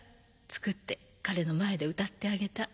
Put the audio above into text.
作って彼の前で歌ってあげた。